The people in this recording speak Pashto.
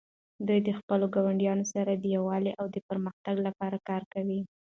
دوی د خپلو ګاونډیانو سره د یووالي او پرمختګ لپاره کار کوي.